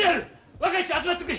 若い衆集まってくれ。